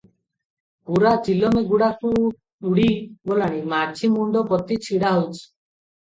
ପୂରା ଚିଲମେ ଗୁଡାଖୁ ଉଡ଼ି ଗଲାଣି, ମାଝି ମୁଣ୍ଡ ପୋତି ଛିଡାହୋଇଛି ।